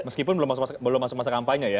meskipun belum masuk masa kampanye ya